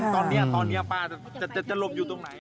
ตอนนี้ป้าจะหลบอยู่ตรงไหน